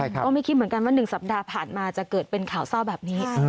ก็ไม่คิดเหมือนกันว่า๑สัปดาห์ผ่านมาจะเกิดเป็นข่าวเศร้าแบบนี้